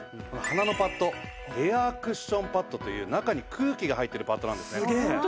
鼻のパッドエアクッションパッドという中に空気が入ってるパッドなんですね。